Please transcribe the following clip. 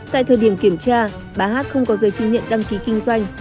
tại thời điểm kiểm tra bà hát không có giấy chứng nhận đăng ký kinh doanh